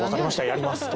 やります」と。